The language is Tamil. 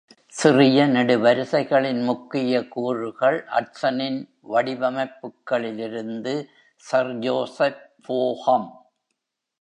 சிறிய நெடுவரிசைகளின் முக்கிய கூறுகள் அட்ச்சனின் வடிவமைப்புகளிலிருந்து சர் ஜோசப் போஹம்.